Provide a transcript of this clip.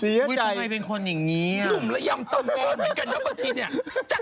เซียใจโอ้ยทำไมเป็นคนอย่างนี้อ่ะผมเป็นผู้ช่วย